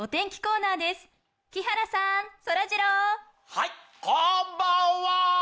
はいこんばんは！